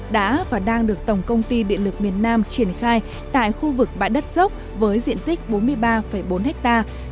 đang được tổng công ty địa lực miền nam triển khai tại khu vực bãi đất dốc với diện tích bốn mươi ba bốn hectare